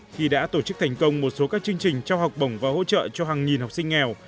khi đã tổ chức thành công một số các chương trình trao học bổng và hỗ trợ cho hàng nghìn học sinh nghèo